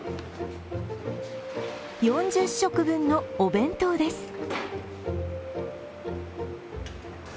４０食分のお弁当です。